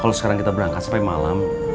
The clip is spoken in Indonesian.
kalau sekarang kita berangkat sampai malam